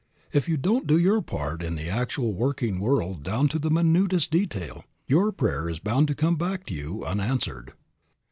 If you don't do your part in the actual working world down to the minutest detail your prayer is bound to come back to you unanswered.